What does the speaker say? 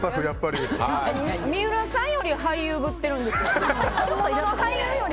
三浦さんより俳優ぶってるんですよ。